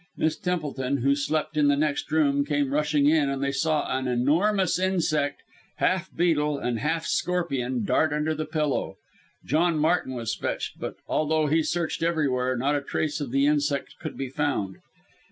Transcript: Miss Templeton, who slept in the next room, came rushing in, and they both saw an enormous insect, half beetle and half scorpion, dart under the pillow. John Martin was fetched, but although he searched everywhere, not a trace of the insect could be found.